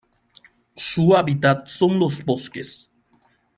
Su hábitat son los bosques.